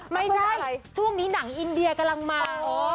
ช่วงนี้หนังอินเดียกำลังมา